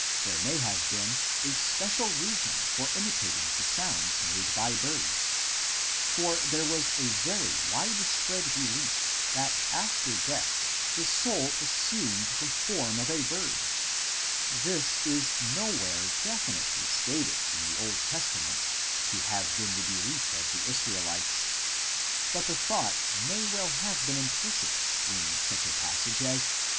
There may have been a special reason for imitating the sounds made by birds ; for there was a very widespread belief that after death the soul assumed the form of a bird ; this is nowhere definitely stated in the Old Testament to have been the belief of the Israelites, but the thought may well have been implicit in such a passage as Ps.